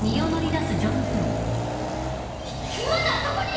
まだあそこに！